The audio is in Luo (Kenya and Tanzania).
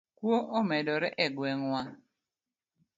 Kuo omedore e gweng' wa